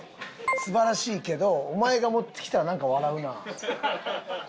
素晴らしいけどお前が持ってきたらなんか笑うな。